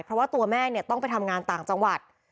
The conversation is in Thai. เพราะว่าตัวแม่เนี่ยต้องไปทำงานต่างจังหวัด